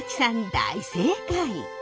大正解。